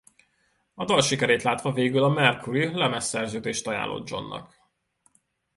A dal sikerét látva végül a Mercury lemezszerződést ajánlott Johnnak.